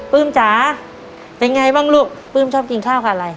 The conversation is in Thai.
จ๋าเป็นไงบ้างลูกปลื้มชอบกินข้าวกับอะไร